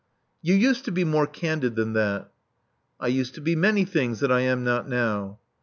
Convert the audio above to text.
You used to be more candid than that." I used to be many things that I am not now."